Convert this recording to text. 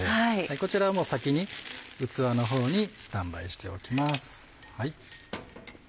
こちらは先に器のほうにスタンバイしておきます。